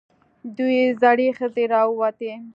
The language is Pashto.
دوه زړې ښځې راووتې.